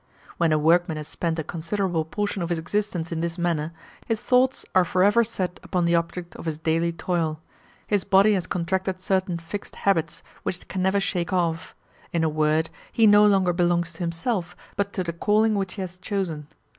When a workman has spent a considerable portion of his existence in this manner, his thoughts are forever set upon the object of his daily toil; his body has contracted certain fixed habits, which it can never shake off: in a word, he no longer belongs to himself, but to the calling which he has chosen.